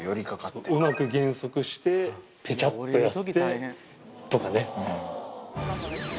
うまく減速してぺちゃっとやってとかね。